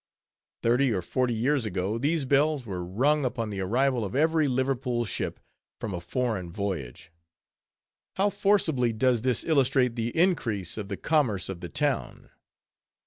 _ Thirty or forty years ago, these bells were rung upon the arrival of every Liverpool ship from a foreign voyage. How forcibly does this illustrate the increase of the commerce of the town!